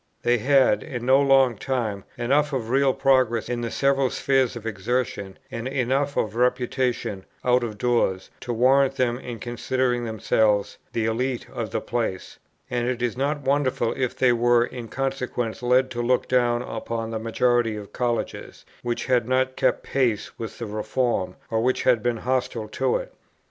They had, in no long time, enough of real progress in their several spheres of exertion, and enough of reputation out of doors, to warrant them in considering themselves the élite of the place; and it is not wonderful if they were in consequence led to look down upon the majority of Colleges, which had not kept pace with the reform, or which had been hostile to it.